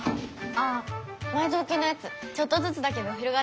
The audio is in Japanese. ああ埋蔵金のやつちょっとずつだけど広がっていってるみたい。